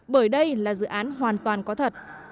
bởi đây là dự án hoàn toàn có thật